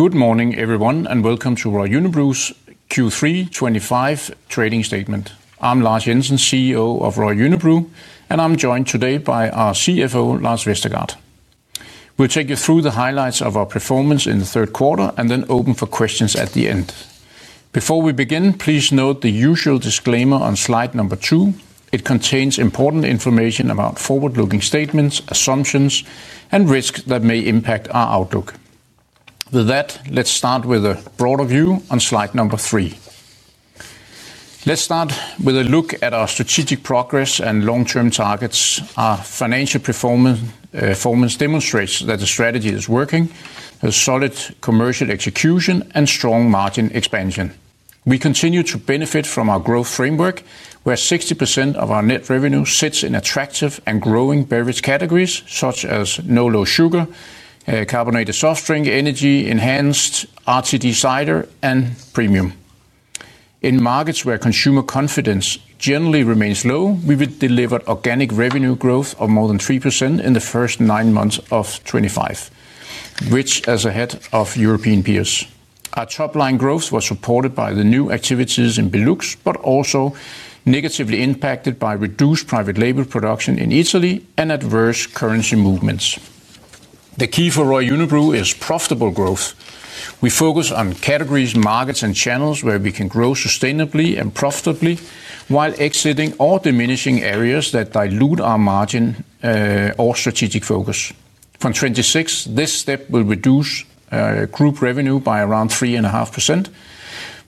Good morning, everyone, and welcome to Royal Unibrew's Q3 2025 trading statement. I'm Lars Jensen, CEO of Royal Unibrew, and I'm joined today by our CFO, Lars Vestergaard. We'll take you through the highlights of our performance in the third quarter and then open for questions at the end. Before we begin, please note the usual disclaimer on slide number two. It contains important information about forward-looking statements, assumptions, and risks that may impact our outlook. With that, let's start with a broader view on slide number three. Let's start with a look at our strategic progress and long-term targets. Our financial performance demonstrates that the strategy is working, has solid commercial execution, and strong margin expansion. We continue to benefit from our growth framework, where 60% of our net revenue sits in attractive and growing beverage categories such as no-low sugar, carbonated soft drink, energy-enhanced RTD cider, and premium. In markets where consumer confidence generally remains low, we've delivered organic revenue growth of more than three percent in the first nine months of 2025, which is ahead of European peers. Our top-line growth was supported by the new activities in BeLux, but also negatively impacted by reduced private label production in Italy and adverse currency movements. The key for Royal Unibrew is profitable growth. We focus on categories, markets, and channels where we can grow sustainably and profitably while exiting or diminishing areas that dilute our margin or strategic focus. From 2026, this step will reduce group revenue by around 3.5%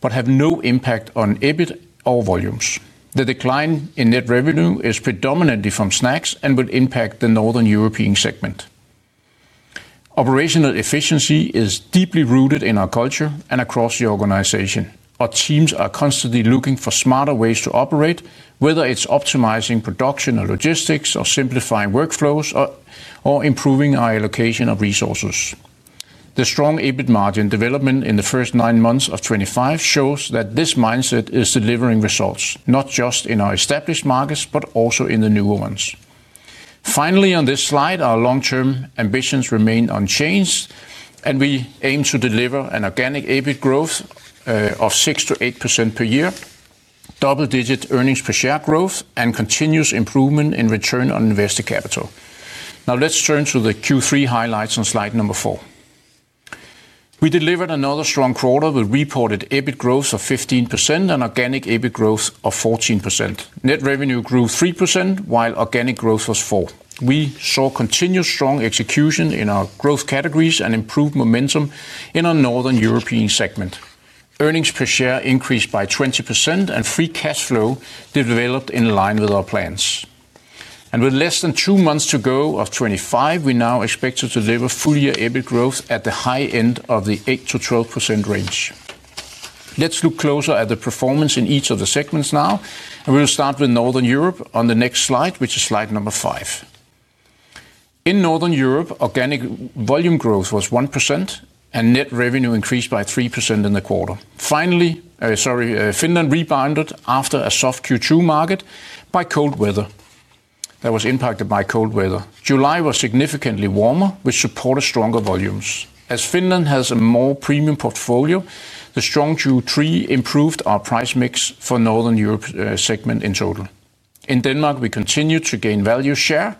but have no impact on EBIT or volumes. The decline in net revenue is predominantly from snacks and will impact the Northern European segment. Operational efficiency is deeply rooted in our culture and across the organization. Our teams are constantly looking for smarter ways to operate, whether it's optimizing production or logistics, or simplifying workflows, or improving our allocation of resources. The strong EBIT margin development in the first nine months of 2025 shows that this mindset is delivering results, not just in our established markets but also in the newer ones. Finally, on this slide, our long-term ambitions remain unchanged, and we aim to deliver an organic EBIT growth of six to eight percent per year, double-digit earnings per share growth, and continuous improvement in return on invested capital. Now, let's turn to the Q3 highlights on slide number four. We delivered another strong quarter with reported EBIT growth of 15% and organic EBIT growth of 14%. Net revenue grew three percent, while organic growth was four percent. We saw continued strong execution in our growth categories and improved momentum in our northern European segment. Earnings per share increased by 20%, and free cash flow developed in line with our plans. With less than two months to go of 2025, we're now expected to deliver full-year EBIT growth at the high end of the 8%-12% range. Let's look closer at the performance in each of the segments now, and we'll start with Northern Europe on the next slide, which is slide number five. In Northern Europe, organic volume growth was one percent, and net revenue increased by three percent in the quarter. Finally, sorry, Finland rebounded after a soft Q2 market that was impacted by cold weather. July was significantly warmer, which supported stronger volumes. As Finland has a more premium portfolio, the strong Q3 improved our price mix for the Northern Europe segment in total. In Denmark, we continued to gain value share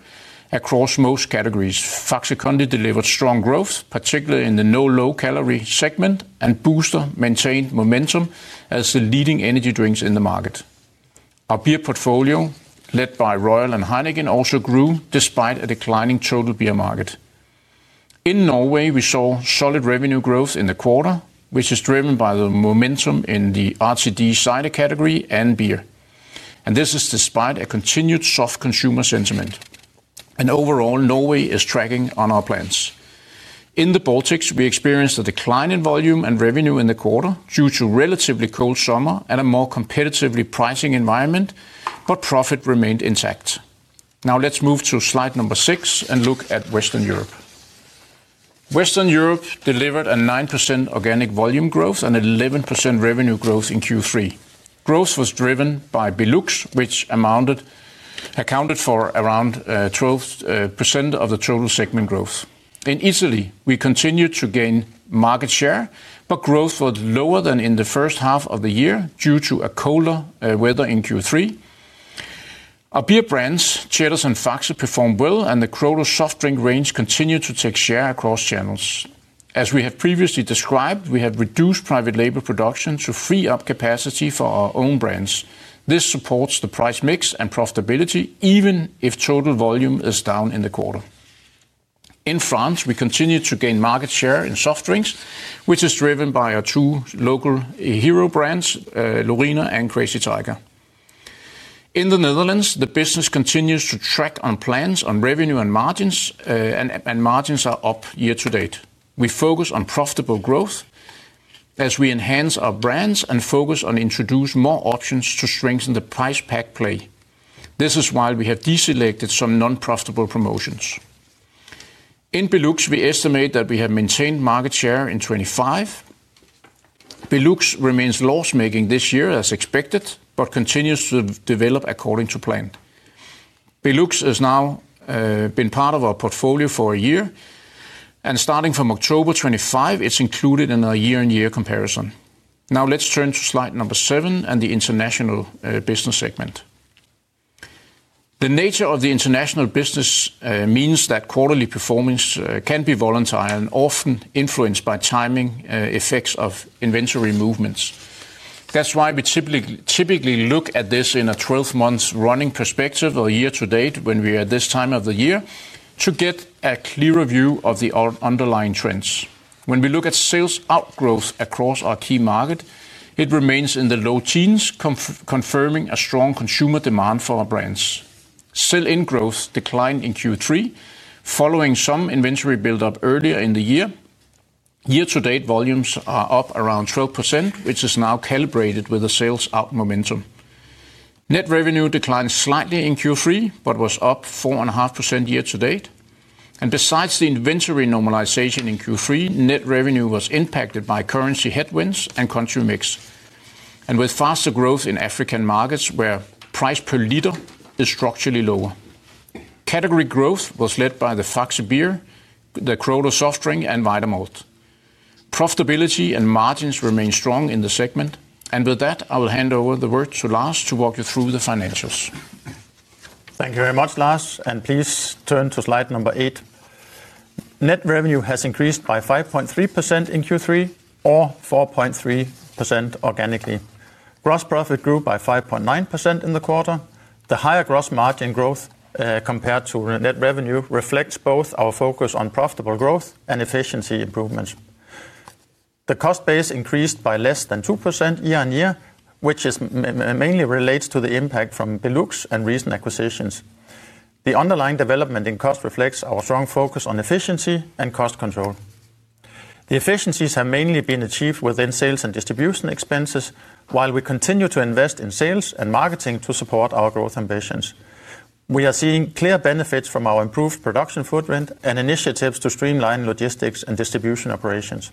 across most categories. Faxe Kondi delivered strong growth, particularly in the no-low-calorie segment, and Booster maintained momentum as the leading energy drink in the market. Our beer portfolio, led by Royal and Heineken, also grew despite a declining total beer market. In Norway, we saw solid revenue growth in the quarter, which is driven by the momentum in the RTD cider category and beer. This is despite a continued soft consumer sentiment. Overall, Norway is tracking on our plans. In the Baltics, we experienced a decline in volume and revenue in the quarter due to a relatively cold summer and a more competitive pricing environment, but profit remained intact. Now, let's move to slide number six and look at Western Europe. Western Europe delivered nine percent organic volume growth and 11% revenue growth in Q3. Growth was driven by BeLux, which accounted for around 12% of the total segment growth. In Italy, we continued to gain market share, but growth was lower than in the first half of the year due to cooler weather in Q3. Our beer brands, Ceres and Faxe, performed well, and the Kohler soft drink range continued to take share across channels. As we have previously described, we have reduced private label production to free up capacity for our own brands. This supports the price mix and profitability, even if total volume is down in the quarter. In France, we continue to gain market share in soft drinks, which is driven by our two local hero brands, Lorina and Crazy Tiger. In the Netherlands, the business continues to track on plans on revenue and margins, and margins are up year-to-date. We focus on profitable growth as we enhance our brands and focus on introducing more options to strengthen the price pack play. This is why we have deselected some non-profitable promotions. In BeLux, we estimate that we have maintained market share in 2025. BeLux remains loss-making this year as expected but continues to develop according to plan. BeLux has now been part of our portfolio for a year, and starting from October 2025, it's included in our year-on-year comparison. Now, let's turn to slide number seven and the international business segment. The nature of the international business means that quarterly performance can be volatile and often influenced by timing effects of inventory movements. That's why we typically look at this in a 12 month running perspective or year-to-date when we are at this time of the year to get a clearer view of the underlying trends. When we look at sales outgrowth across our key market, it remains in the low teens, confirming a strong consumer demand for our brands. Sale in-growth declined in Q3 following some inventory build-up earlier in the year. Year-to-date volumes are up around 12%, which is now calibrated with the sales out momentum. Net revenue declined slightly in Q3 but was up 4.5% year-to-date. Besides the inventory normalization in Q3, net revenue was impacted by currency headwinds and country mix, with faster growth in African markets where price per liter is structurally lower. Category growth was led by the Faxe beer, the Kohler soft drink, and Weider Malt. Profitability and margins remain strong in the segment. With that, I will hand over the word to Lars to walk you through the financials. Thank you very much, Lars. Please turn to slide number eight. Net revenue has increased by 5.3% in Q3 or 4.3% organically. Gross profit grew by 5.9% in the quarter. The higher gross margin growth compared to net revenue reflects both our focus on profitable growth and efficiency improvements. The cost base increased by less than two percent year-on-year, which mainly relates to the impact from BeLux and recent acquisitions. The underlying development in cost reflects our strong focus on efficiency and cost control. The efficiencies have mainly been achieved within sales and distribution expenses, while we continue to invest in sales and marketing to support our growth ambitions. We are seeing clear benefits from our improved production footprint and initiatives to streamline logistics and distribution operations.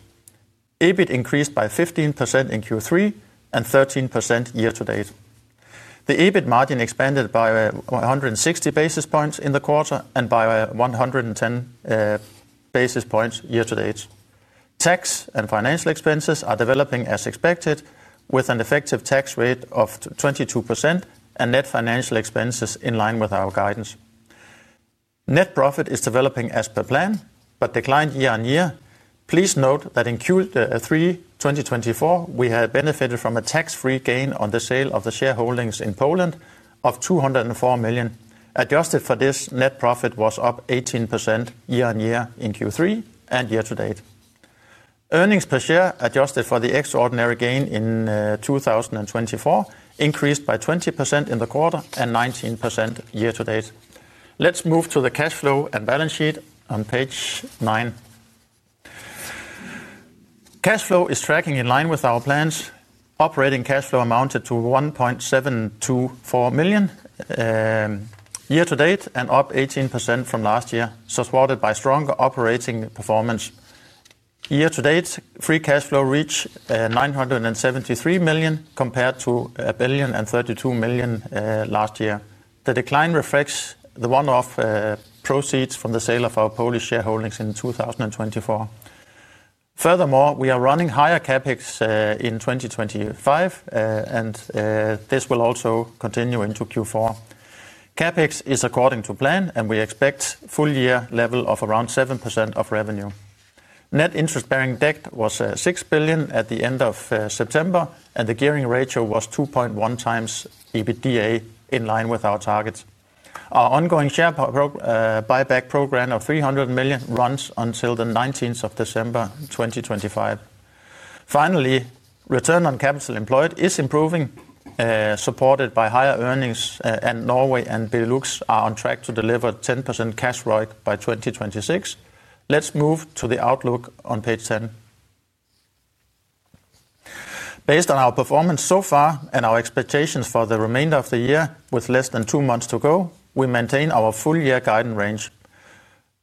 EBIT increased by 15% in Q3 and 13% year-to-date. The EBIT margin expanded by 160 basis points in the quarter and by 110 basis points year-to-date. Tax and financial expenses are developing as expected with an effective tax rate of 22% and net financial expenses in line with our guidance. Net profit is developing as per plan but declined year-on-year. Please note that in Q3 2024, we had benefited from a tax-free gain on the sale of the shareholdings in Poland of 204 million. Adjusted for this, net profit was up 18% year-on-year in Q3 and year-to-date. Earnings per share adjusted for the extraordinary gain in 2024 increased by 20% in the quarter and 19% year-to-date. Let's move to the cash flow and balance sheet on page nine. Cash flow is tracking in line with our plans. Operating cash flow amounted to 1,724 million year-to-date and up 18% from last year, supported by stronger operating performance. Year-to-date, free cash flow reached 973 million compared to 1 billion- 32 million last year. The decline reflects the one-off proceeds from the sale of our Polish shareholdings in 2024. Furthermore, we are running higher CapEx in 2025, and this will also continue into Q4. CapEx is according to plan, and we expect full-year level of around seven percent of revenue. Net interest-bearing debt was six billion at the end of September, and the gearing ratio was two point one times EBITDA in line with our target. Our ongoing share buyback program of 300 million runs until the 19th of December 2025. Finally, return on capital employed is improving, supported by higher earnings, and Norway and BeLux are on track to deliver 10% cash rise by 2026. Let's move to the outlook on page 10. Based on our performance so far and our expectations for the remainder of the year, with less than two months to go, we maintain our full-year guidance range.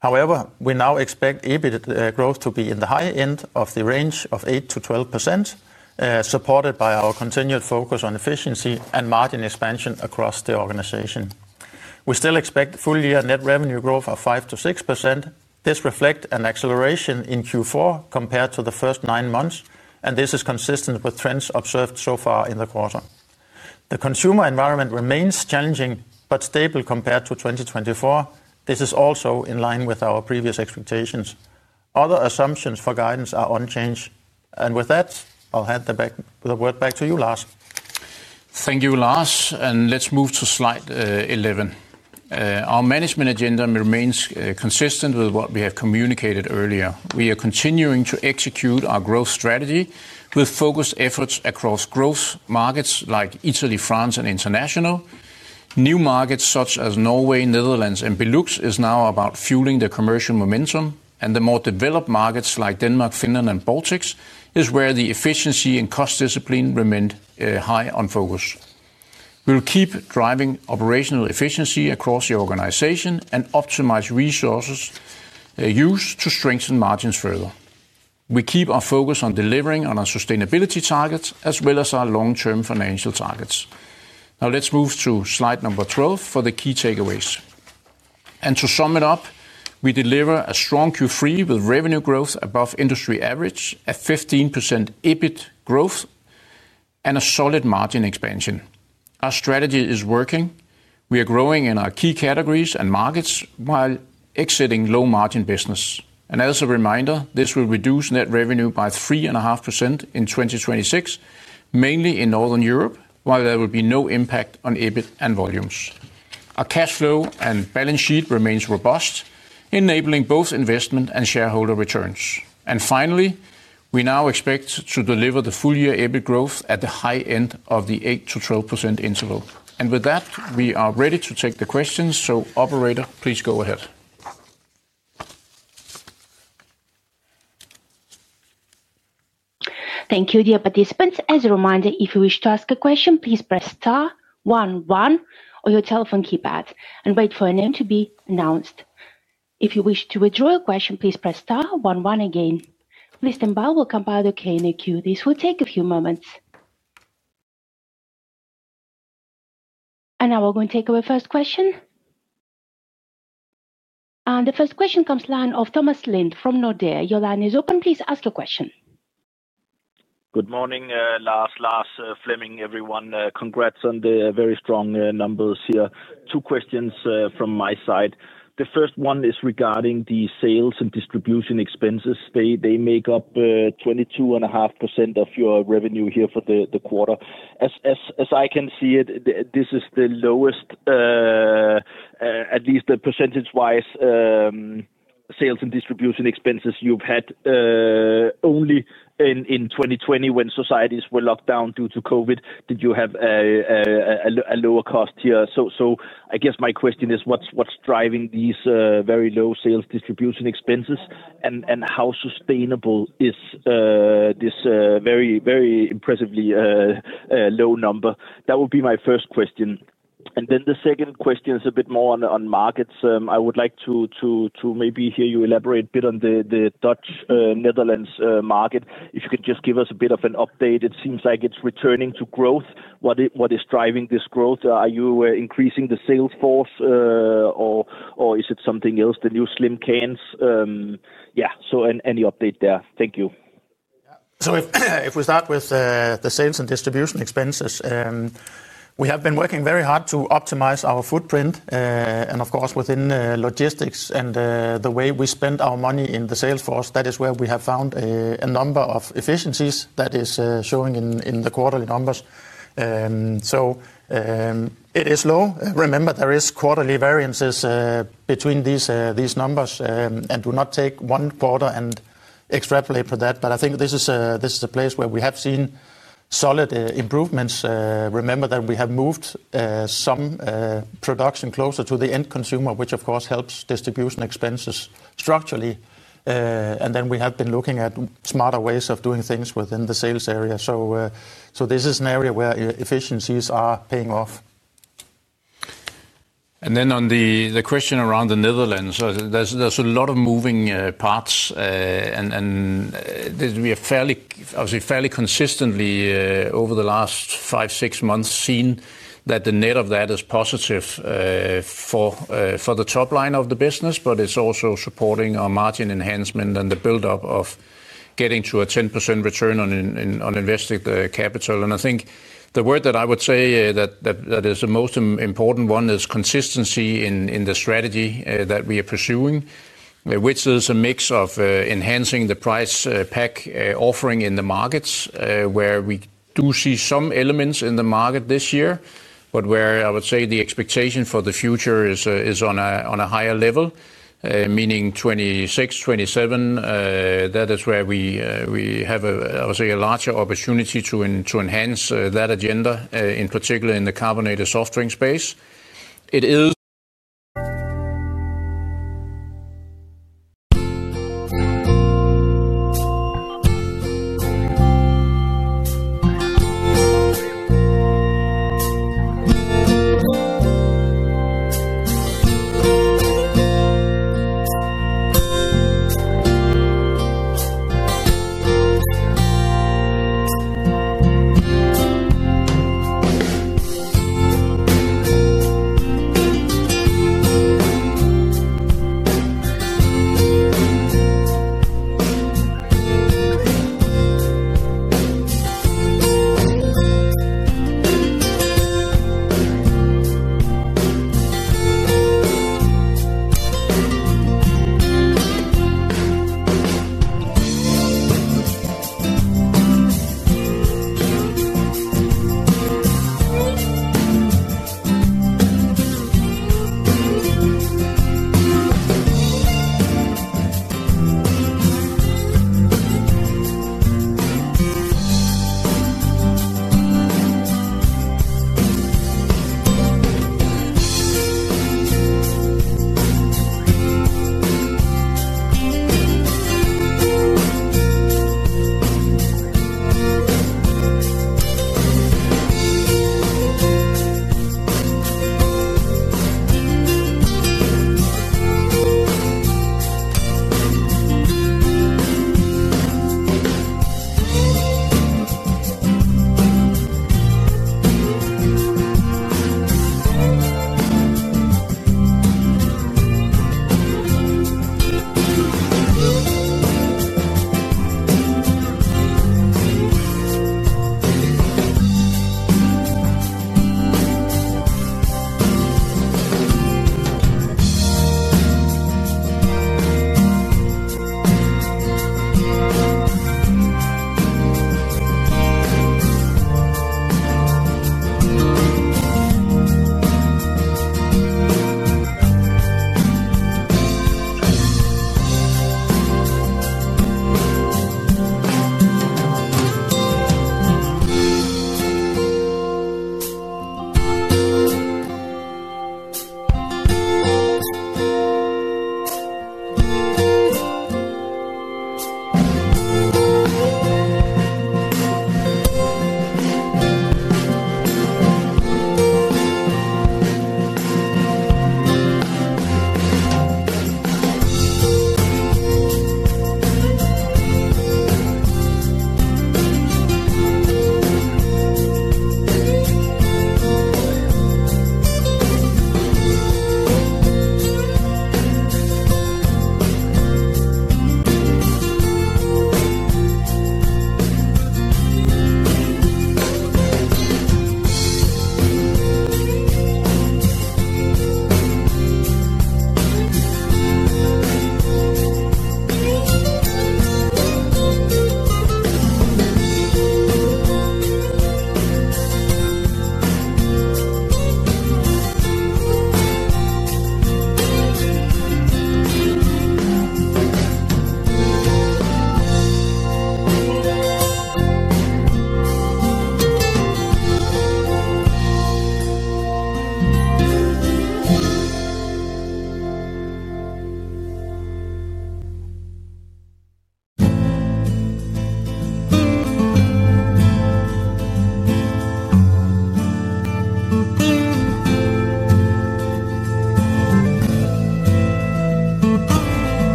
However, we now expect EBIT growth to be in the high end of the range of 8%-12%, supported by our continued focus on efficiency and margin expansion across the organization. We still expect full-year net revenue growth of five to six percent. This reflects an acceleration in Q4 compared to the first nine months, and this is consistent with trends observed so far in the quarter. The consumer environment remains challenging but stable compared to 2024. This is also in line with our previous expectations. Other assumptions for guidance are unchanged. With that, I'll hand the word back to you, Lars. Thank you, Lars. Let's move to slide 11. Our management agenda remains consistent with what we have communicated earlier. We are continuing to execute our growth strategy with focused efforts across growth markets like Italy, France, and international. New markets such as Norway, Netherlands, and BeLux is now about fueling the commercial momentum, and the more developed markets like Denmark, Finland, and Baltics is where the efficiency and cost discipline remained high on focus. We will keep driving operational efficiency across the organization and optimize resources used to strengthen margins further. We keep our focus on delivering on our sustainability targets as well as our long-term financial targets. Now, let's move to slide number 12 for the key takeaways. To sum it up, we deliver a strong Q3 with revenue growth above industry average, a 15% EBIT growth, and a solid margin expansion. Our strategy is working. We are growing in our key categories and markets while exiting low-margin business. As a reminder, this will reduce net revenue by 3.5% in 2026, mainly in Northern Europe, while there will be no impact on EBIT and volumes. Our cash flow and balance sheet remain robust, enabling both investment and shareholder returns. Finally, we now expect to deliver the full-year EBIT growth at the high end of the 8%-12% interval. With that, we are ready to take the questions. Operator, please go ahead. Thank you, dear participants. As a reminder, if you wish to ask a question, please press star, one one on your telephone keypad and wait for your name to be announced. If you wish to withdraw a question, please press star, one one again. List and Bo will compile the Q&A queue. This will take a few moments. Now we are going to take our first question. The first question comes live from Thomas Lind from Nordea. Your line is open. Please ask your question. Good morning, Lars. Lars, Fleming, everyone. Congrats on the very strong numbers here. Two questions from my side. The first one is regarding the sales and distribution expenses. They make up 22.5% of your revenue here for the quarter. As I can see it, this is the lowest, at least percentage-wise, sales and distribution expenses you've had. Only in 2020 when societies were locked down due to COVID did you have a lower cost here. I guess my question is, what's driving these very low sales distribution expenses and how sustainable is this very impressively low number? That would be my first question. The second question is a bit more on markets. I would like to maybe hear you elaborate a bit on the Dutch-Netherlands market. If you could just give us a bit of an update. It seems like it's returning to growth. What is driving this growth? Are you increasing the sales force or is it something else, the new slim cans? Yeah, so any update there? Thank you. If we start with the sales and distribution expenses, we have been working very hard to optimize our footprint. Of course, within logistics and the way we spend our money in the sales force, that is where we have found a number of efficiencies that is showing in the quarterly numbers. It is low. Remember, there are quarterly variances between these numbers and do not take one quarter and extrapolate for that. I think this is a place where we have seen solid improvements. Remember that we have moved some production closer to the end consumer, which of course helps distribution expenses structurally. We have been looking at smarter ways of doing things within the sales area. This is an area where efficiencies are paying off. On the question around the Netherlands, there are a lot of moving parts. We have fairly consistently over the last five or six months seen that the net of that is positive for the top line of the business, but it is also supporting our margin enhancement and the build-up of getting to a 10% return on invested capital. I think the word that I would say is the most important one is consistency in the strategy that we are pursuing, which is a mix of enhancing the price pack offering in the markets where we do see some elements in the market this year, but where I would say the expectation for the future is on a higher level, meaning 2026, 2027, that is where we have a larger opportunity to enhance that agenda, in particular in the carbonated soft drink space.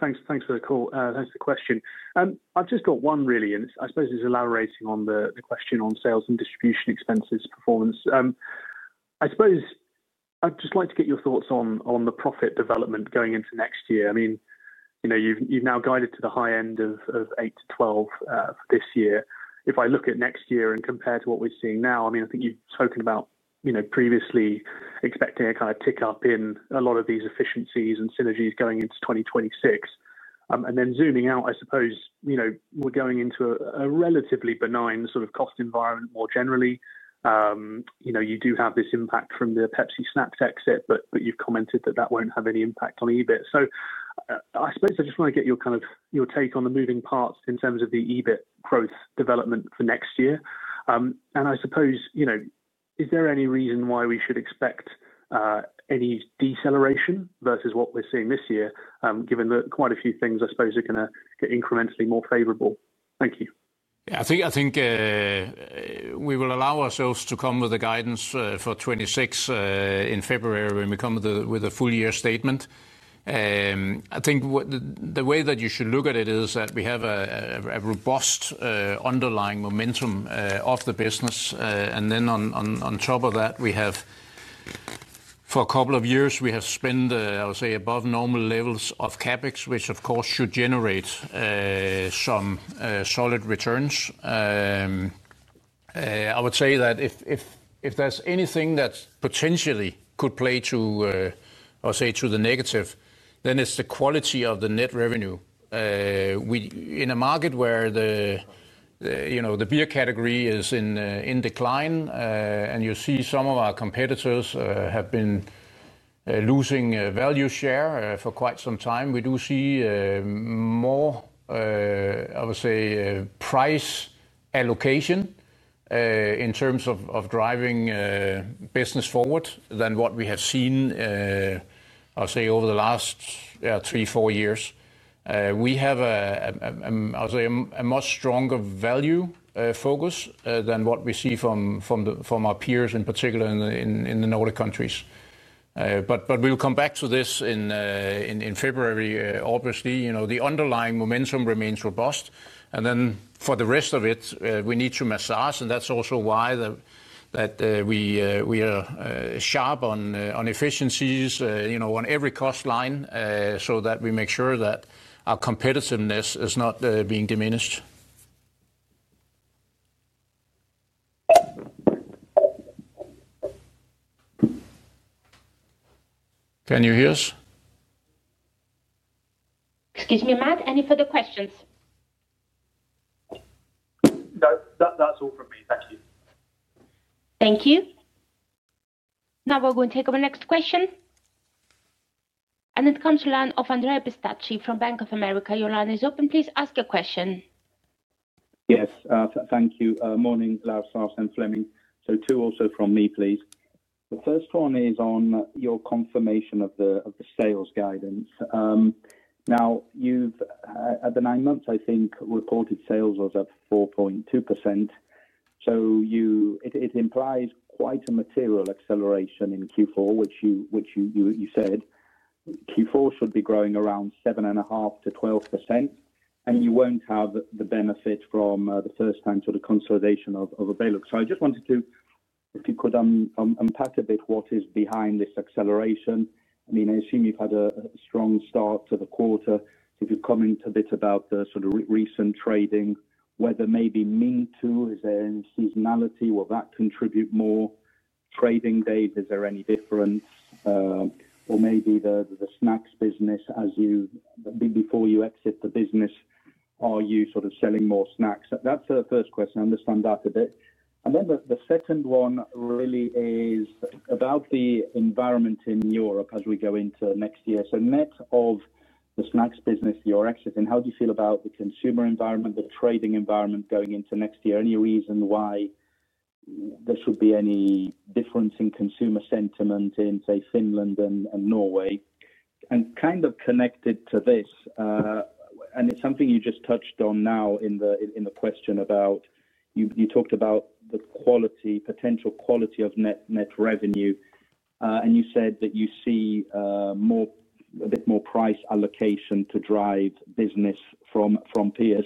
Morning, and thanks for the call. Thanks for the question. I've just got one really, and I suppose it's elaborating on the question on sales and distribution expenses performance. I suppose I'd just like to get your thoughts on the profit development going into next year. I mean, you've now guided to the high end of 8-12 for this year. If I look at next year and compare to what we're seeing now, I mean, I think you've spoken about previously expecting a kind of tick up in a lot of these efficiencies and synergies going into 2026. Zooming out, I suppose we're going into a relatively benign sort of cost environment more generally. You do have this impact from the Pepsi Snap Tech set, but you've commented that that won't have any impact on EBIT.I suppose I just want to get your take on the moving parts in terms of the EBIT growth development for next year. I suppose, is there any reason why we should expect any deceleration versus what we're seeing this year, given that quite a few things I suppose are going to get incrementally more favorable? Thank you. Yeah, I think we will allow ourselves to come with the guidance for 2026 in February when we come with a full-year statement. I think the way that you should look at it is that we have a robust underlying momentum of the business. Then on top of that, for a couple of years, we have spent, I would say, above normal levels of CapEx, which of course should generate some solid returns. I would say that if there is anything that potentially could play to, I would say, to the negative, then it is the quality of the net revenue.In a market where the beer category is in decline, and you see some of our competitors have been losing value share for quite some time, we do see more, I would say, price allocation in terms of driving business forward than what we have seen, I would say, over the last three, four years. We have, I would say, a much stronger value focus than what we see from our peers, in particular in the Nordic countries. We will come back to this in February, obviously. The underlying momentum remains robust. For the rest of it, we need to massage. That is also why we are sharp on efficiencies on every cost line so that we make sure that our competitiveness is not being diminished. Can you hear us? Excuse me, Matt. Any further questions? No, that's all from me. Thank you. Thank you. Now we are going to take up the next question. It comes to the line of Andrea Pistacchi from Bank of America. Your line is open. Please ask your question. Yes, thank you. Morning, Lars, Lars, and Fleming. Two also from me, please. The first one is on your confirmation of the sales guidance. Now, at the nine months, I think reported sales was at 4.2%. It implies quite a material acceleration in Q4, which you said. Q4 should be growing around 7.5%-12%. You will not have the benefit from the first time sort of consolidation of a bailout. I just wanted to, if you could, unpack a bit what is behind this acceleration. I mean, I assume you have had a strong start to the quarter. If you comment a bit about the sort of recent trading, whether maybe Minto, is there any seasonality? Will that contribute more trading days? Is there any difference? Or maybe the snacks business, as you before you exit the business, are you sort of selling more snacks? That's the first question. I understand that a bit. The second one really is about the environment in Europe as we go into next year. Net of the snacks business you're exiting, how do you feel about the consumer environment, the trading environment going into next year? Any reason why there should be any difference in consumer sentiment in, say, Finland and Norway? Kind of connected to this, and it's something you just touched on now in the question about, you talked about the potential quality of net revenue. You said that you see a bit more price allocation to drive business from peers.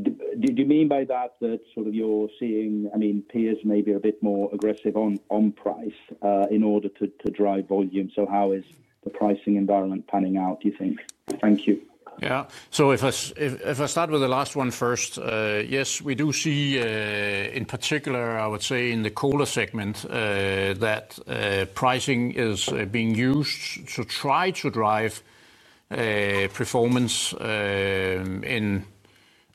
Do you mean by that that you're seeing, I mean, peers maybe a bit more aggressive on price in order to drive volume? How is the pricing environment panning out, do you think? Thank you. Yeah. If I start with the last one first, yes, we do see, in particular, I would say, in the cola segment that pricing is being used to try to drive performance in,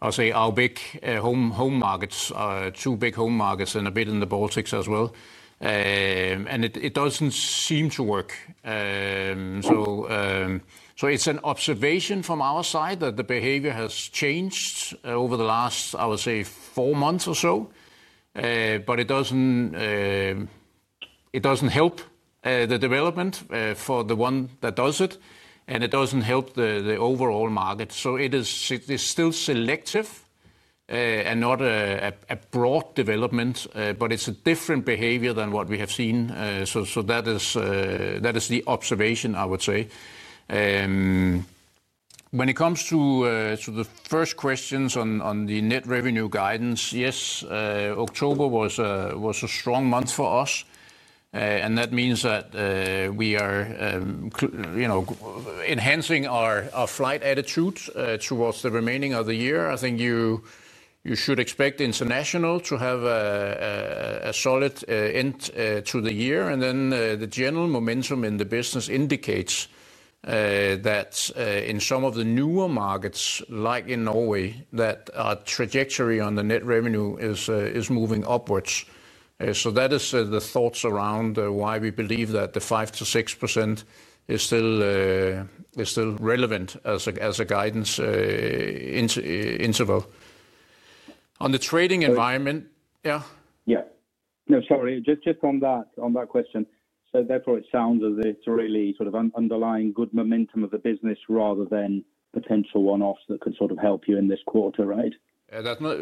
I would say, our big home markets, two big home markets, and a bit in the Baltics as well. It does not seem to work. It is an observation from our side that the behavior has changed over the last, I would say, four months or so. It does not help the development for the one that does it. It does not help the overall market. It is still selective and not a broad development, but it is a different behavior than what we have seen. That is the observation, I would say. When it comes to the first questions on the net revenue guidance, yes, October was a strong month for us. That means that we are enhancing our flight attitude towards the remaining of the year. I think you should expect international to have a solid end to the year. The general momentum in the business indicates that in some of the newer markets, like in Norway, our trajectory on the net revenue is moving upwards. That is the thoughts around why we believe that the five to six percent is still relevant as a guidance interval. On the trading environment, yeah? Yeah. No, sorry. Just on that question. Therefore it sounds as if it's really sort of underlying good momentum of the business rather than potential one-offs that could sort of help you in this quarter, right?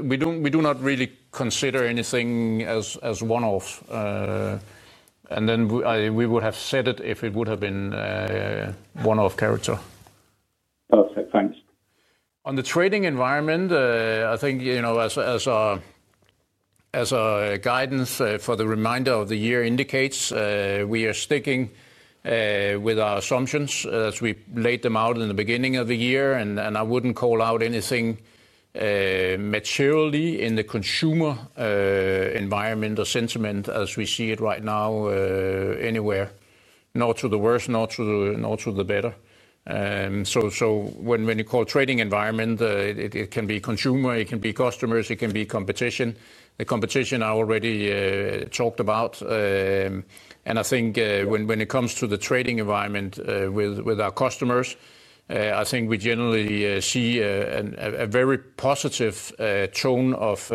We do not really consider anything as one-off. We would have said it if it would have been one-off character. Perfect. Thanks. On the trading environment, I think as our guidance for the remainder of the year indicates, we are sticking with our assumptions as we laid them out in the beginning of the year. I would not call out anything materially in the consumer environment or sentiment as we see it right now anywhere, not to the worst, not to the better. When you call trading environment, it can be consumer, it can be customers, it can be competition. The competition I already talked about. I think when it comes to the trading environment with our customers, I think we generally see a very positive tone of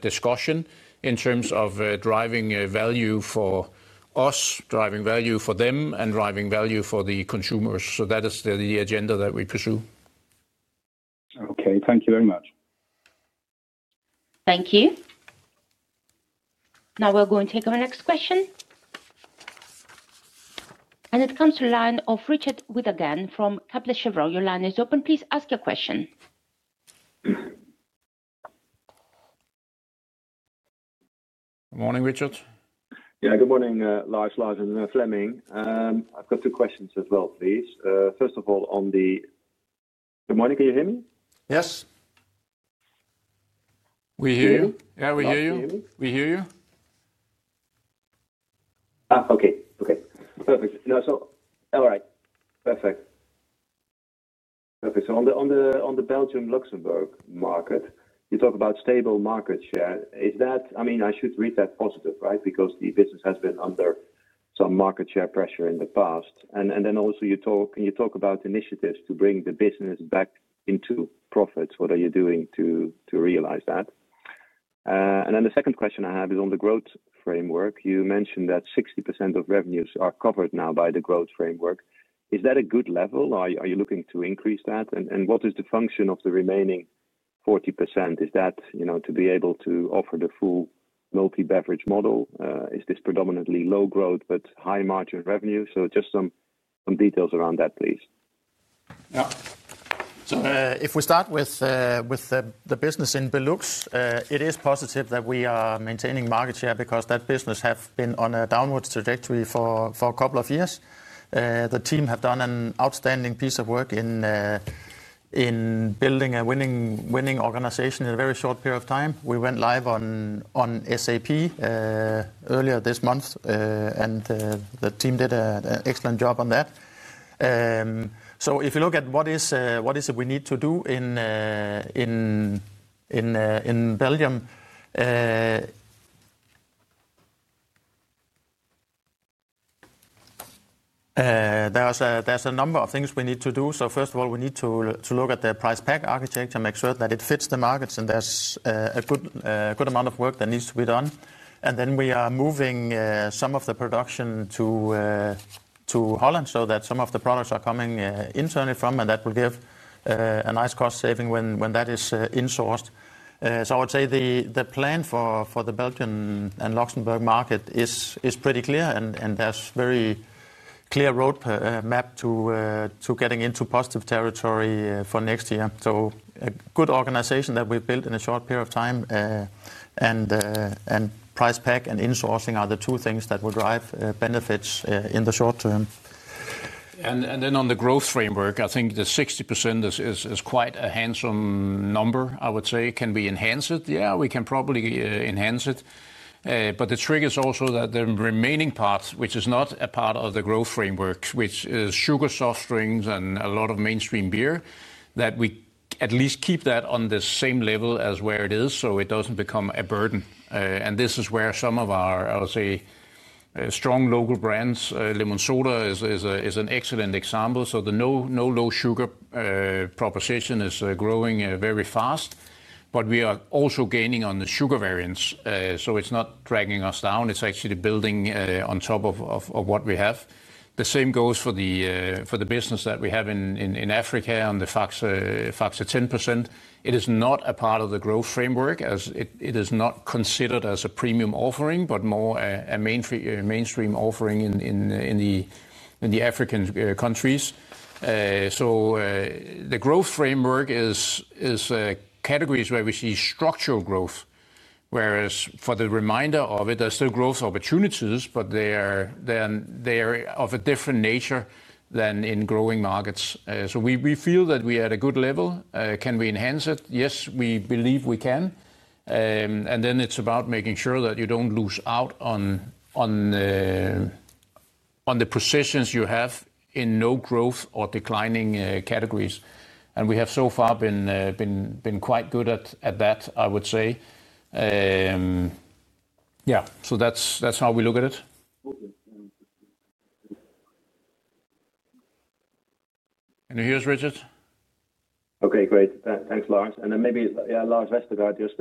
discussion in terms of driving value for us, driving value for them, and driving value for the consumers. That is the agenda that we pursue. Okay. Thank you very much. Thank you. Now we're going to take up the next question. It comes to the line of Richard Whitaghan from Kepler Cheuvreux. Your line is open. Please ask your question. Good morning, Richard. Yeah, good morning, Lars, Lars, and Fleming. I've got two questions as well, please. First of all, on the good morning, can you hear me? Yes. We hear you. Okay. Okay. Perfect. All right. Perfect. Perfect. On the Belgium-Luxembourg market, you talk about stable market share. I mean, I should read that positive, right? Because the business has been under some market share pressure in the past. You also talk about initiatives to bring the business back into profits. What are you doing to realize that? The second question I have is on the growth framework. You mentioned that 60% of revenues are covered now by the growth framework. Is that a good level? Are you looking to increase that? What is the function of the remaining 40%? Is that to be able to offer the full multi-beverage model? Is this predominantly low growth, but high margin revenue? Just some details around that, please. Yeah. If we start with the business in BeLux, it is positive that we are maintaining market share because that business has been on a downward trajectory for a couple of years. The team have done an outstanding piece of work in building a winning organization in a very short period of time. We went live on SAP earlier this month, and the team did an excellent job on that. If you look at what is it we need to do in Belgium, there are a number of things we need to do. First of all, we need to look at the price pack architecture, make sure that it fits the markets, and there is a good amount of work that needs to be done. We are moving some of the production to Holland so that some of the products are coming internally from, and that will give a nice cost saving when that is insourced. I would say the plan for the Belgian and Luxembourg market is pretty clear, and there is a very clear roadmap to getting into positive territory for next year. A good organization that we built in a short period of time, and price pack and insourcing are the two things that will drive benefits in the short term. On the growth framework, I think the 60% is quite a handsome number, I would say. Can we enhance it? Yeah, we can probably enhance it. The trigger is also that the remaining part, which is not a part of the growth framework, which is sugar soft drinks and a lot of mainstream beer, that we at least keep that on the same level as where it is so it does not become a burden. This is where some of our, I would say, strong local brands, LemonSoda, is an excellent example. The no low sugar proposition is growing very fast. We are also gaining on the sugar variants. It is not dragging us down. It is actually building on top of what we have. The same goes for the business that we have in Africa on the Faxe 10%. It is not a part of the growth framework as it is not considered as a premium offering, but more a mainstream offering in the African countries. The growth framework is categories where we see structural growth, whereas for the remainder of it, there are still growth opportunities, but they are of a different nature than in growing markets. We feel that we are at a good level. Can we enhance it? Yes, we believe we can. It is about making sure that you do not lose out on the positions you have in no growth or declining categories. We have so far been quite good at that, I would say. Yeah. That is how we look at it. Can you hear us, Richard? Okay, great. Thanks, Lars. Maybe, yeah, Lars Vestergaard, just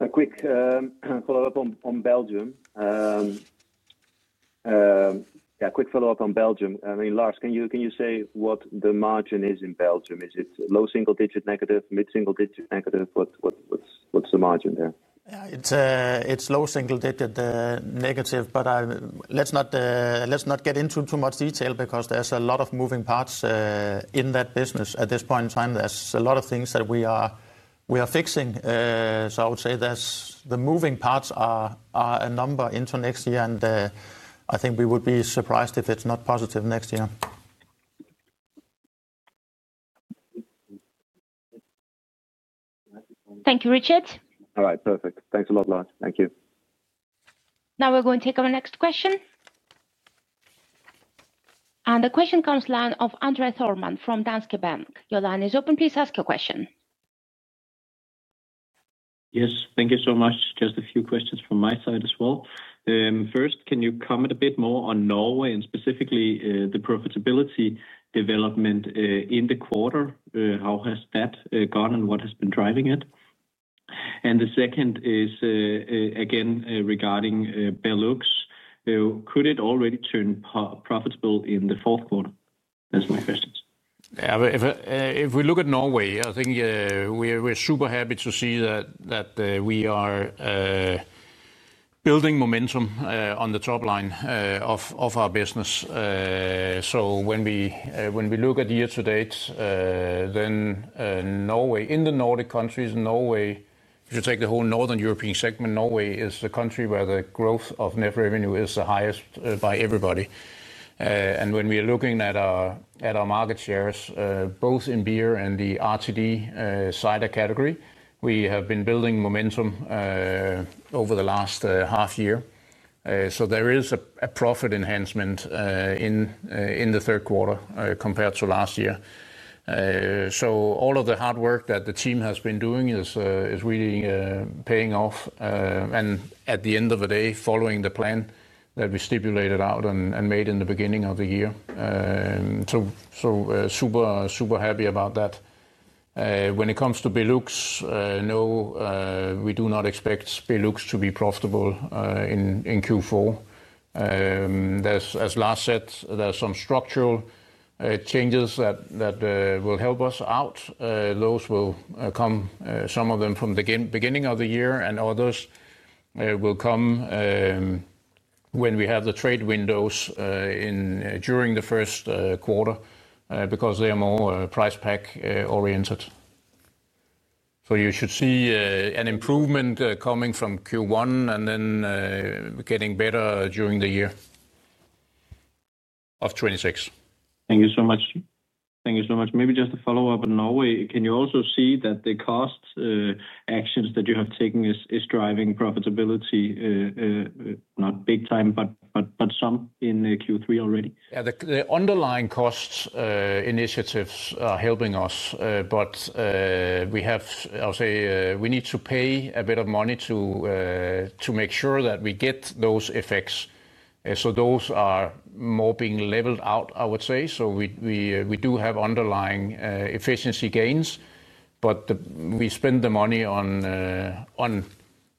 a quick follow-up on Belgium. Yeah, quick follow-up on Belgium. I mean, Lars, can you say what the margin is in Belgium? Is it low single digit negative, mid single digit negative? What's the margin there? Yeah, it's low single digit negative, but let's not get into too much detail because there's a lot of moving parts in that business. At this point in time, there's a lot of things that we are fixing. I would say the moving parts are a number into next year, and I think we would be surprised if it's not positive next year. Thank you, Richard. All right, perfect. Thanks a lot, Lars. Thank you. Now we're going to take up the next question. The question comes to the line of André Thormann from Danske Bank. Your line is open. Please ask your question. Yes, thank you so much. Just a few questions from my side as well. First, can you comment a bit more on Norway and specifically the profitability development in the quarter? How has that gone and what has been driving it? The second is, again, regarding BeLux, could it already turn profitable in the fourth quarter? That is my question. Yeah, if we look at Norway, I think we're super happy to see that we are building momentum on the top line of our business. When we look at year to date, then Norway, in the Nordic countries, Norway, if you take the whole Northern European segment, Norway is the country where the growth of net revenue is the highest by everybody. When we are looking at our market shares, both in beer and the RTD cider category, we have been building momentum over the last half year. There is a profit enhancement in the third quarter compared to last year. All of the hard work that the team has been doing is really paying off. At the end of the day, following the plan that we stipulated out and made in the beginning of the year. Super happy about that. When it comes to BeLux, no, we do not expect BeLux to be profitable in Q4. As Lars said, there are some structural changes that will help us out. Those will come, some of them from the beginning of the year, and others will come when we have the trade windows during the first quarter because they are more price pack oriented. You should see an improvement coming from Q1 and then getting better during the year of 2026. Thank you so much. Maybe just a follow-up on Norway. Can you also see that the cost actions that you have taken is driving profitability, not big time, but some in Q3 already? Yeah, the underlying cost initiatives are helping us, but we have, I would say, we need to pay a bit of money to make sure that we get those effects. Those are more being leveled out, I would say. We do have underlying efficiency gains, but we spend the money on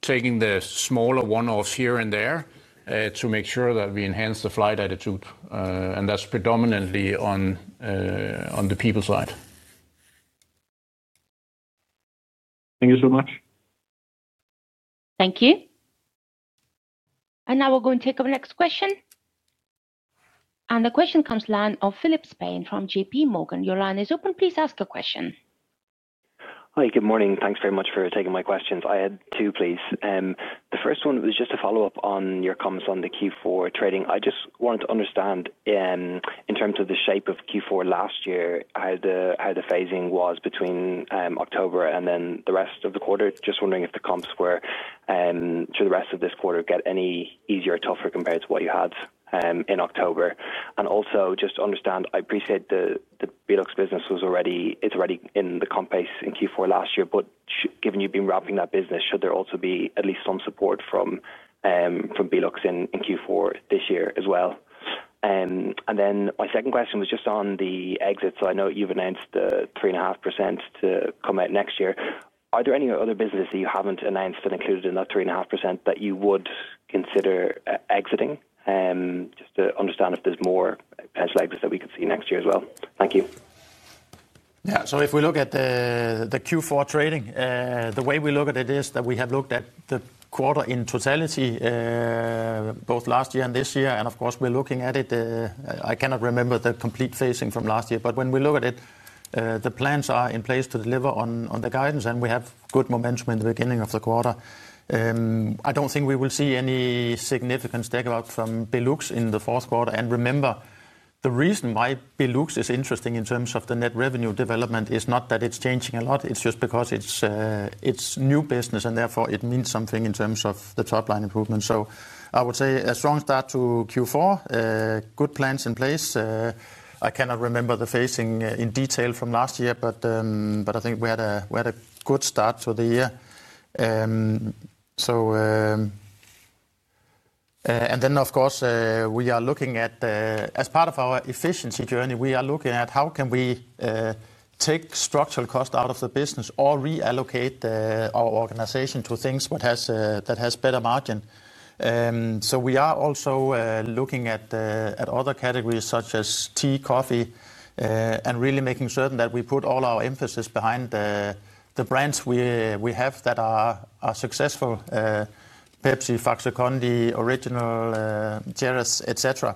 taking the smaller one-offs here and there to make sure that we enhance the flight attitude. That is predominantly on the people side. Thank you so much. Thank you. Now we are going to take up the next question. The question comes to the line of Philip Spain from JP Morgan. Your line is open. Please ask your question. Hi, good morning. Thanks very much for taking my questions. I had two, please. The first one was just a follow-up on your comments on the Q4 trading. I just wanted to understand in terms of the shape of Q4 last year, how the phasing was between October and then the rest of the quarter. Just wondering if the comps were to the rest of this quarter get any easier or tougher compared to what you had in October. Also, just to understand, I appreciate the BeLux business was already in the comp base in Q4 last year, but given you've been wrapping that business, should there also be at least some support from BeLux in Q4 this year as well? My second question was just on the exit. I know you've announced the 3.5% to come out next year. Are there any other businesses that you haven't announced and included in that 3.5% that you would consider exiting? Just to understand if there's more potential exits that we could see next year as well. Thank you. Yeah, so if we look at the Q4 trading, the way we look at it is that we have looked at the quarter in totality, both last year and this year. Of course, we're looking at it. I cannot remember the complete phasing from last year, but when we look at it, the plans are in place to deliver on the guidance, and we have good momentum in the beginning of the quarter. I do not think we will see any significant stakeouts from BeLux in the fourth quarter. Remember, the reason why BeLux is interesting in terms of the net revenue development is not that it is changing a lot. It is just because it is new business, and therefore it means something in terms of the top line improvement. I would say a strong start to Q4, good plans in place. I cannot remember the phasing in detail from last year, but I think we had a good start to the year. Of course, we are looking at, as part of our efficiency journey, how we can take structural cost out of the business or reallocate our organization to things that have better margin. We are also looking at other categories such as tea, coffee, and really making certain that we put all our emphasis behind the brands we have that are successful: Pepsi, Faxe Kondi, Original, Jarrus, etc.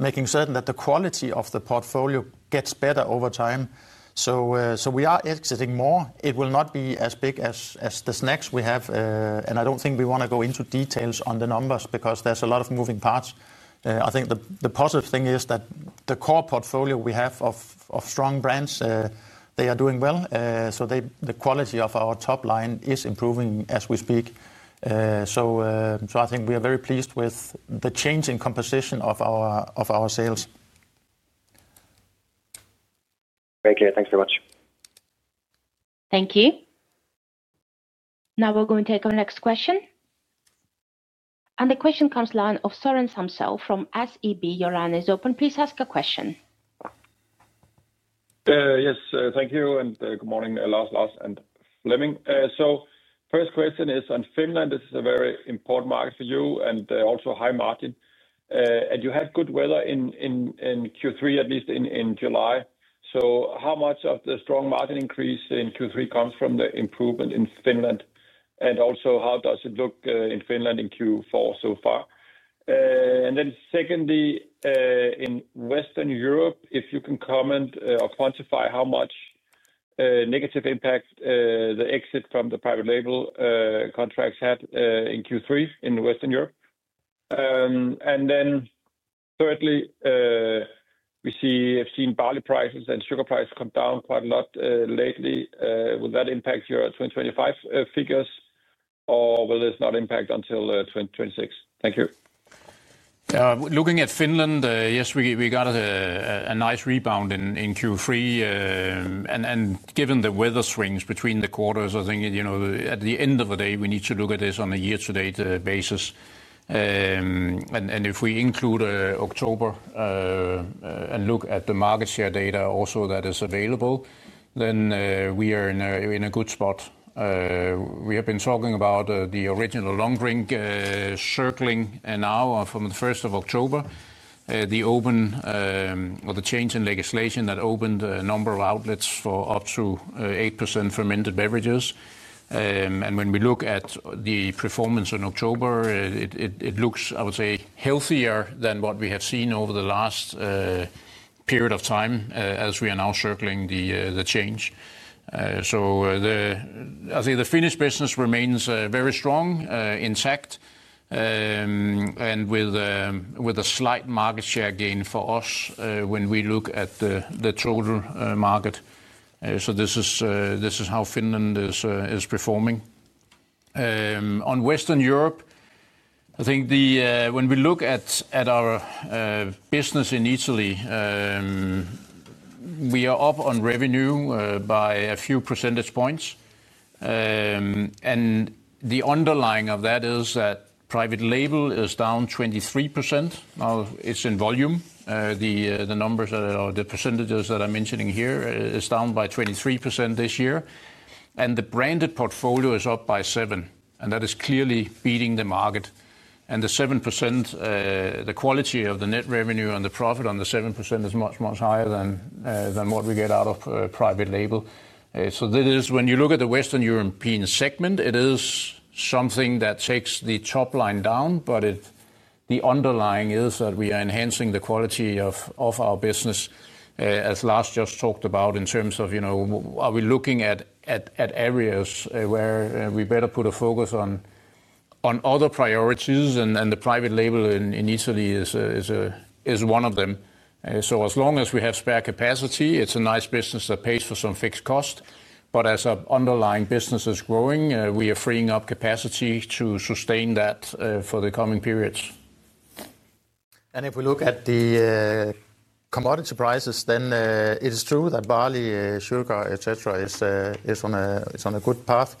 Making certain that the quality of the portfolio gets better over time. We are exiting more. It will not be as big as the snacks we have, and I do not think we want to go into details on the numbers because there are a lot of moving parts.I think the positive thing is that the core portfolio we have of strong brands, they are doing well. The quality of our top line is improving as we speak. I think we are very pleased with the changing composition of our sales. Thank you. Thanks very much. Thank you. Now we are going to take up the next question. The question comes to the line of Søren Samsøe from SEB. Your line is open. Please ask a question. Yes, thank you. Good morning, Lars, Lars, and Fleming. First question is on Finland. This is a very important market for you and also high margin. You had good weather in Q3, at least in July. How much of the strong margin increase in Q3 comes from the improvement in Finland? Also, how does it look in Finland in Q4 so far? Secondly, in Western Europe, if you can comment or quantify how much negative impact the exit from the private label contracts had in Q3 in Western Europe. Thirdly, we have seen barley prices and sugar prices come down quite a lot lately. Will that impact your 2025 figures, or will this not impact until 2026? Thank you. Looking at Finland, yes, we got a nice rebound in Q3. Given the weather swings between the quarters, I think at the end of the day, we need to look at this on a year-to-date basis. If we include October and look at the market share data also that is available, we are in a good spot. We have been talking about the Original Long Drink circling now from the 1st of October, the open or the change in legislation that opened a number of outlets for up to eight percent fermented beverages. When we look at the performance in October, it looks, I would say, healthier than what we have seen over the last period of time as we are now circling the change.I think the Finnish business remains very strong, intact, and with a slight market share gain for us when we look at the total market. This is how Finland is performing. On Western Europe, I think when we look at our business in Italy, we are up on revenue by a few percentage points. The underlying of that is that private label is down 23%. Now, it is in volume. The numbers or the percentages that I am mentioning here is down by 23% this year. The branded portfolio is up by seven percent. That is clearly beating the market. The seven percent, the quality of the net revenue and the profit on the seven percent is much, much higher than what we get out of private label. When you look at the Western European segment, it is something that takes the top line down, but the underlying is that we are enhancing the quality of our business, as Lars just talked about, in terms of are we looking at areas where we better put a focus on other priorities, and the private label in Italy is one of them. As long as we have spare capacity, it is a nice business that pays for some fixed cost. As our underlying business is growing, we are freeing up capacity to sustain that for the coming periods. If we look at the commodity prices, then it is true that barley, sugar, etc. is on a good path.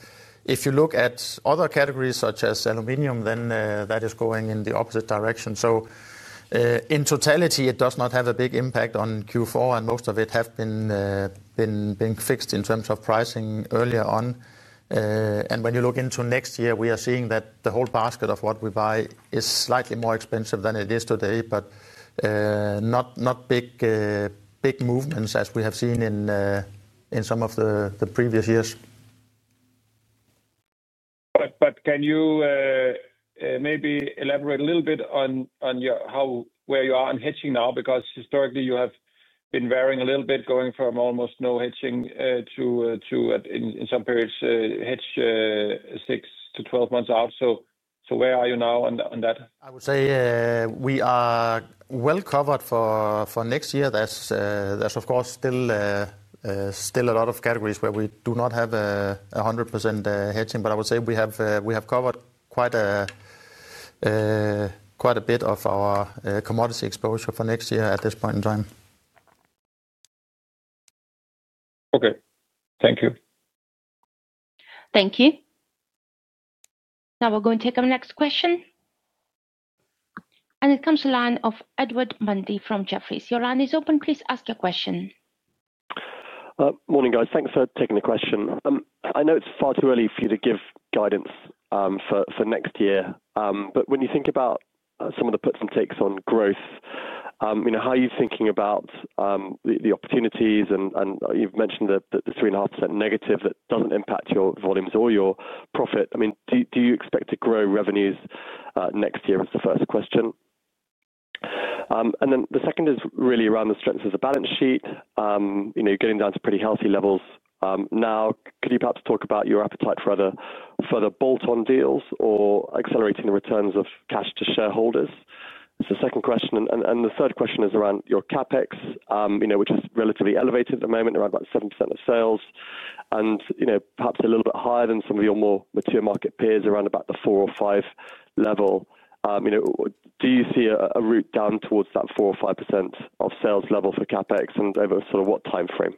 If you look at other categories such as aluminum, then that is going in the opposite direction.In totality, it does not have a big impact on Q4, and most of it has been fixed in terms of pricing earlier on. When you look into next year, we are seeing that the whole basket of what we buy is slightly more expensive than it is today, but not big movements as we have seen in some of the previous years. Can you maybe elaborate a little bit on where you are on hedging now? Because historically, you have been varying a little bit, going from almost no hedging to, in some periods, hedge 6-12 months out. Where are you now on that? I would say we are well covered for next year. There is, of course, still a lot of categories where we do not have 100% hedging, but I would say we have covered quite a bit of our commodity exposure for next year at this point in time. Okay. Thank you. Thank you. Now we're going to take up the next question. It comes to the line of Edward Mundy from Jefferies. Your line is open. Please ask your question. Morning, guys. Thanks for taking the question. I know it's far too early for you to give guidance for next year, but when you think about some of the puts and takes on growth, how are you thinking about the opportunities? You've mentioned the 3.5% negative that doesn't impact your volumes or your profit. I mean, do you expect to grow revenues next year is the first question. The second is really around the strength of the balance sheet. You're getting down to pretty healthy levels now. Could you perhaps talk about your appetite for other bolt-on deals or accelerating the returns of cash to shareholders? It's the second question. The third question is around your CapEx, which is relatively elevated at the moment, around about seven percent of sales, and perhaps a little bit higher than some of your more mature market peers, around about the four to five percent level. Do you see a route down towards that four to five percent of sales level for CapEx and over sort of what time frame?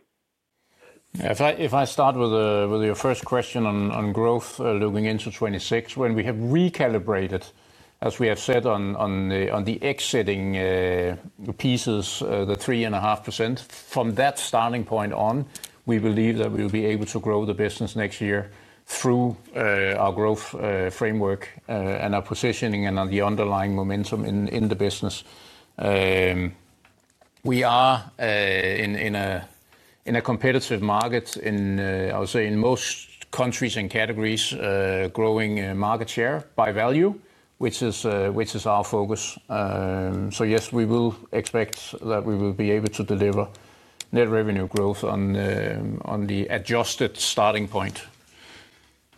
If I start with your first question on growth looking into 2026, when we have recalibrated, as we have said, on the exiting pieces, the 3.5%, from that starting point on, we believe that we will be able to grow the business next year through our growth framework and our positioning and the underlying momentum in the business. We are in a competitive market, I would say, in most countries and categories, growing market share by value, which is our focus. Yes, we will expect that we will be able to deliver net revenue growth on the adjusted starting point.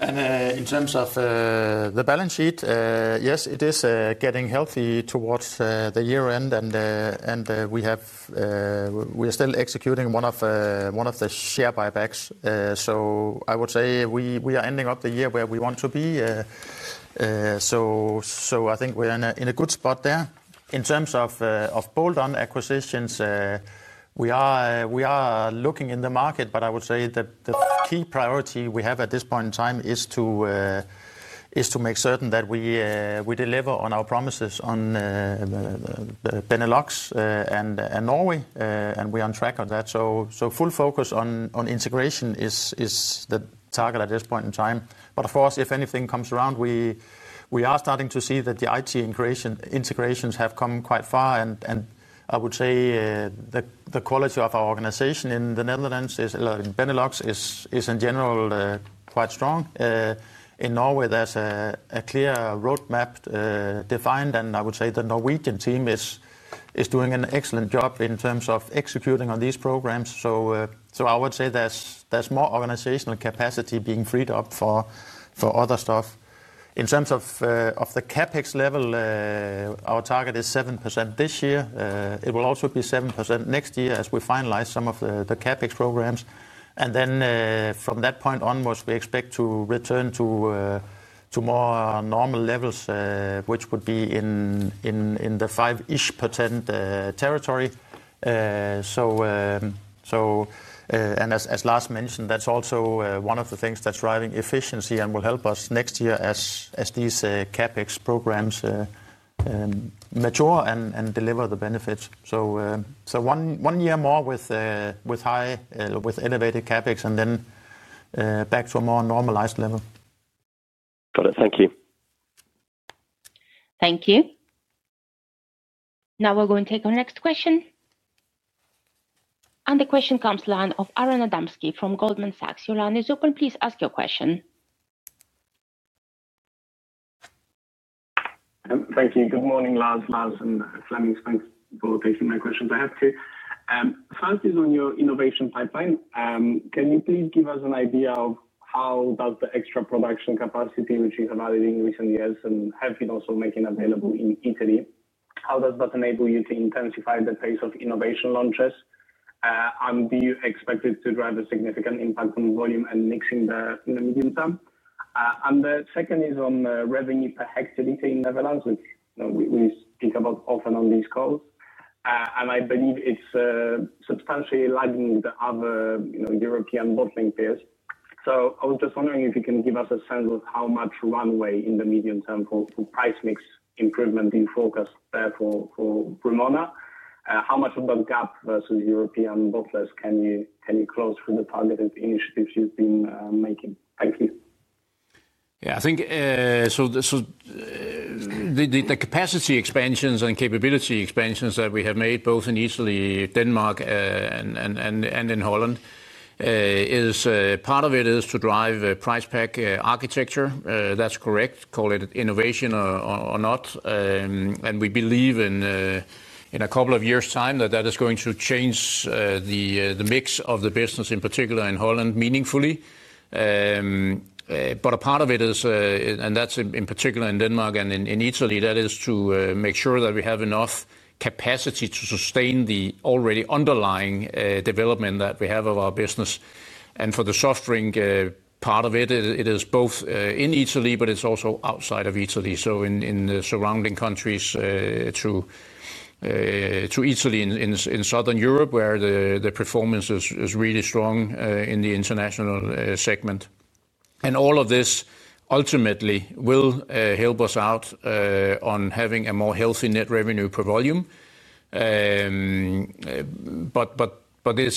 In terms of the balance sheet, yes, it is getting healthy towards the year-end, and we are still executing one of the share buybacks. I would say we are ending up the year where we want to be. I think we're in a good spot there.In terms of bolt-on acquisitions, we are looking in the market, but I would say the key priority we have at this point in time is to make certain that we deliver on our promises on BeLux and Norway, and we are on track on that. Full focus on integration is the target at this point in time. Of course, if anything comes around, we are starting to see that the IT integrations have come quite far. I would say the quality of our organization in the Netherlands or in BeLux is, in general, quite strong. In Norway, there is a clear roadmap defined, and I would say the Norwegian team is doing an excellent job in terms of executing on these programs. I would say there is more organizational capacity being freed up for other stuff. In terms of the CapEx level, our target is seven percent this year. It will also be seven percent next year as we finalize some of the CapEx programs. From that point onwards, we expect to return to more normal levels, which would be in the five percent territory. As Lars mentioned, that's also one of the things that's driving efficiency and will help us next year as these CapEx programs mature and deliver the benefits. One year more with elevated CapEx and then back to a more normalized level. Got it. Thank you. Thank you. Now we're going to take our next question. The question comes to the line of Aron Adamski from Goldman Sachs. Your line is open. Please ask your question. Thank you. Good morning, Lars. Lars and Fleming, thanks for taking my questions. I have two. First is on your innovation pipeline. Can you please give us an idea of how does the extra production capacity, which you have added in recent years and have been also making available in Italy, how does that enable you to intensify the pace of innovation launches? Do you expect it to drive a significant impact on volume and mixing in the medium term? The second is on revenue per hectare in Netherlands, which we speak about often on these calls. I believe it is substantially lagging the other European bottling peers. I was just wondering if you can give us a sense of how much runway in the medium term for price mix improvement in focus there for Vrumona. How much of that gap versus European bottlers can you close through the targeted initiatives you've been making? Thank you. Yeah. I think the capacity expansions and capability expansions that we have made, both in Italy, Denmark, and in Holland, part of it is to drive price pack architecture. That is correct, call it innovation or not. We believe in a couple of years' time that that is going to change the mix of the business, in particular in Holland, meaningfully. A part of it is, and that is in particular in Denmark and in Italy, to make sure that we have enough capacity to sustain the already underlying development that we have of our business. For the soft drink part of it, it is both in Italy, but it is also outside of Italy, in the surrounding countries to Italy in Southern Europe, where the performance is really strong in the international segment. All of this ultimately will help us out on having a more healthy net revenue per volume. It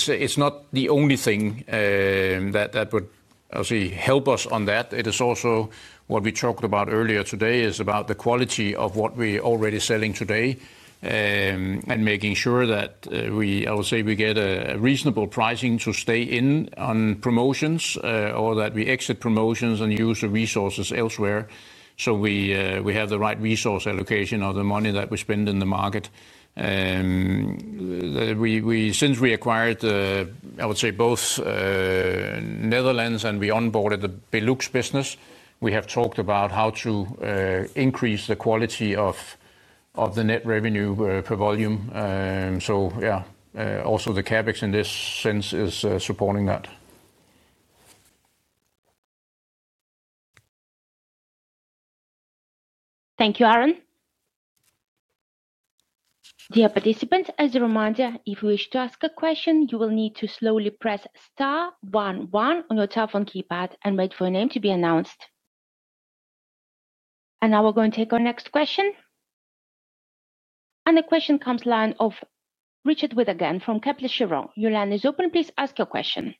is not the only thing that would, I would say, help us on that. It is also what we talked about earlier today is about the quality of what we are already selling today and making sure that we, I would say, we get a reasonable pricing to stay in on promotions or that we exit promotions and use the resources elsewhere so we have the right resource allocation of the money that we spend in the market. Since we acquired, I would say, both Netherlands and we onboarded the BeLux business, we have talked about how to increase the quality of the net revenue per volume. Yeah, also the CapEx in this sense is supporting that. Thank you, Aron. Dear participants, as a reminder, if you wish to ask a question, you will need to slowly press star one one on your telephone keypad and wait for your name to be announced. Now we're going to take our next question. The question comes to the line of Richard Whitaghan from Kepler Cheuvreux. Your line is open. Please ask your question.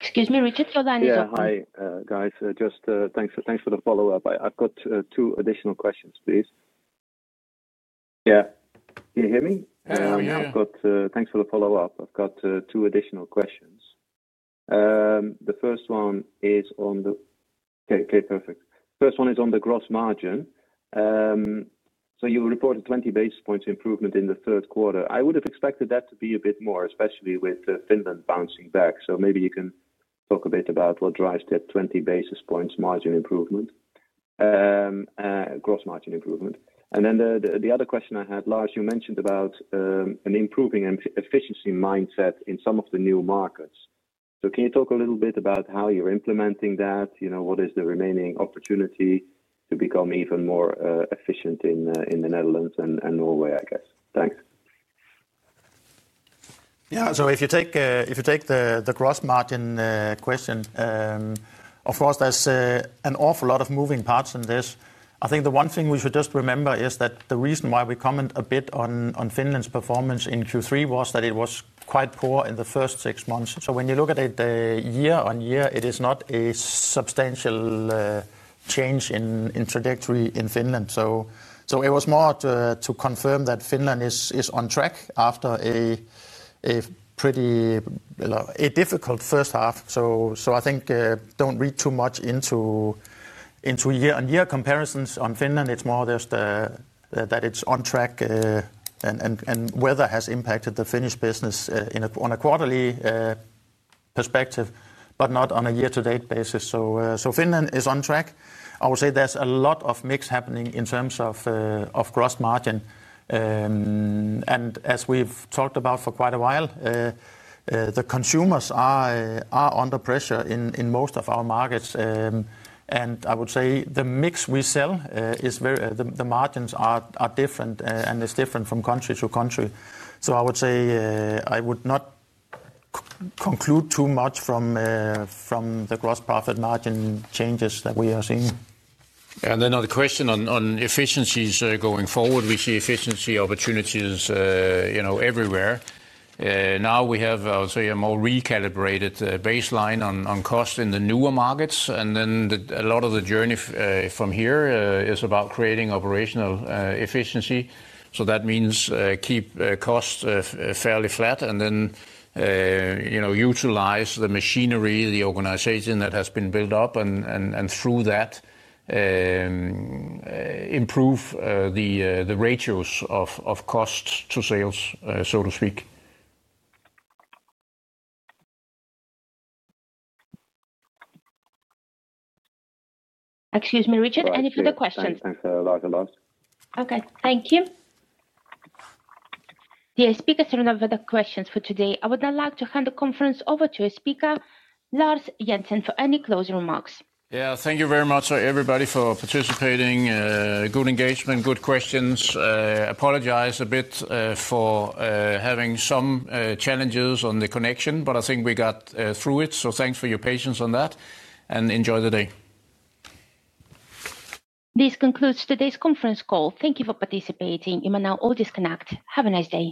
Excuse me, Richard, your line is open. Hi, guys. Just thanks for the follow-up. I've got two additional questions, please. Yeah. Can you hear me? Yeah. Thanks for the follow-up. I've got two additional questions. The first one is on the, okay, perfect. First one is on the gross margin. You reported 20 basis points improvement in the third quarter. I would have expected that to be a bit more, especially with Finland bouncing back. Maybe you can talk a bit about what drives that 20 basis points margin improvement, gross margin improvement. The other question I had, Lars, you mentioned about an improving efficiency mindset in some of the new markets. Can you talk a little bit about how you're implementing that? What is the remaining opportunity to become even more efficient in the Netherlands and Norway, I guess? Thanks. Yeah. If you take the gross margin question, of course, there's an awful lot of moving parts in this. I think the one thing we should just remember is that the reason why we comment a bit on Finland's performance in Q3 was that it was quite poor in the first six months. When you look at it year on year, it is not a substantial change in trajectory in Finland. It was more to confirm that Finland is on track after a pretty difficult first half. I think don't read too much into year-on-year comparisons on Finland. It's more just that it's on track and whether it has impacted the Finnish business on a quarterly perspective, but not on a year-to-date basis. Finland is on track. I would say there's a lot of mix happening in terms of gross margin. As we have talked about for quite a while, the consumers are under pressure in most of our markets. I would say the mix we sell, the margins are different, and it is different from country to country. I would not conclude too much from the gross profit margin changes that we are seeing. Yeah. Another question on efficiencies going forward. We see efficiency opportunities everywhere. Now we have, I would say, a more recalibrated baseline on cost in the newer markets. A lot of the journey from here is about creating operational efficiency. That means keep costs fairly flat and then utilize the machinery, the organization that has been built up, and through that, improve the ratios of cost to sales, so to speak. Excuse me, Richard. Any further questions? Thanks, Lars. Okay. Thank you. The speakers have no further questions for today. I would now like to hand the conference over to the speaker, Lars Jensen, for any closing remarks. Yeah. Thank you very much, everybody, for participating. Good engagement, good questions. Apologize a bit for having some challenges on the connection, but I think we got through it. Thanks for your patience on that and enjoy the day. This concludes today's conference call. Thank you for participating. You may now all disconnect. Have a nice day.